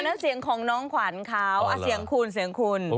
แล้วเสียงของน้องขวัญเขาเสียงคุณเสียงคุณ